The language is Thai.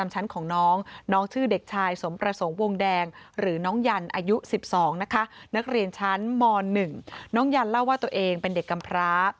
สองนะคะนักเรียนชั้นมหนึ่งน้องยันต์เล่าว่าตัวเองเป็นเด็กกำพระ